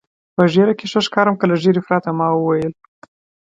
په ږیره کې ښه ښکارم که له ږیرې پرته؟ ما وویل.